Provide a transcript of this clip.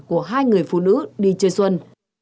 của hai người phụ nữ đi chơi xuân